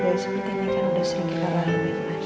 mada seperti ini kan udah sering kita warang lebih mas